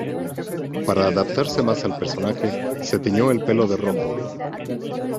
Para adaptarse más al personaje, se tiñó el pelo de rojo.